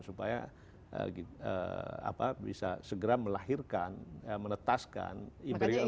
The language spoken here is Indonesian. supaya bisa segera melahirkan menetaskan embryo embryo